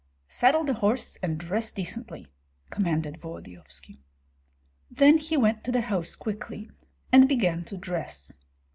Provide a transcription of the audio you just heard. "Saddle the horse and dress decently," commanded Volodyovski. Then he went to the house quickly, and began to dress.